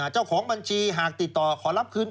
เจ้าของบัญชีหากติดต่อขอรับคืน